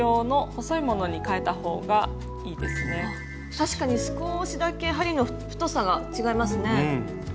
確かに少しだけ針の太さが違いますね。